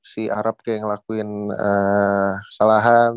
si arab kayak ngelakuin salahan